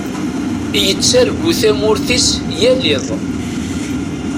Yettargu tamurt-is yal iḍ.